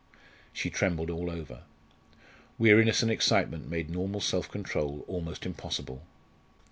She trembled all over. Weariness and excitement made normal self control almost impossible.